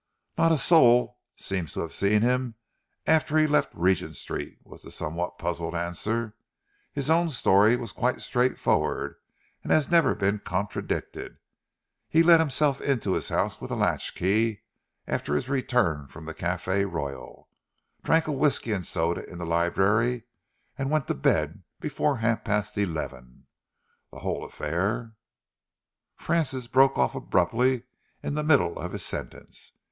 "Not a soul seems to have seen him after he left Regent Street," was the somewhat puzzled answer. "His own story was quite straightforward and has never been contradicted. He let himself into his house with a latch key after his return from the Cafe Royal, drank a whisky and soda in the library, and went to bed before half past eleven. The whole affair " Francis broke off abruptly in the middle of his sentence.